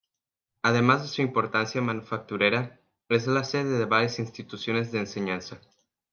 Además de su importancia manufacturera, es la sede de varias instituciones de enseñanza.